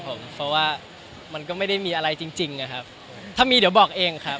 เพราะว่ามันก็ไม่ได้มีอะไรจริงจริงอะครับถ้ามีเดี๋ยวบอกเองครับ